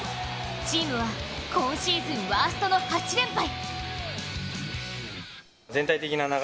チームは今シーズンワーストの８連敗。